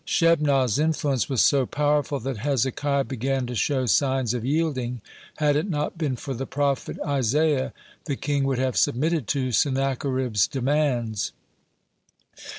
(64) Shebnah's influence was so powerful that Hezekiah began to show signs of yielding. Had it not been for the prophet Isaiah, the king would have submitted to Sennacherib's demands.